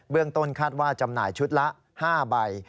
ต้นคาดว่าจำหน่ายชุดละ๕ใบ